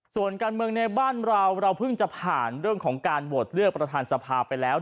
ส่วนการเมืองในบ้านเราเราเพิ่งจะผ่านเรื่องของการโหวตเลือกประธานสภาไปแล้ว